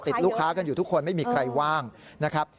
ลูกค้ากันอยู่ทุกคนไม่มีใครว่างนะครับ